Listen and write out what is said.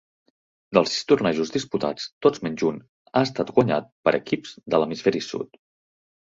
Dels sis tornejos disputats, tots menys un ha estat guanyat per equips de l'hemisferi sud.